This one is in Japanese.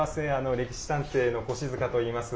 「歴史探偵」の越塚といいます。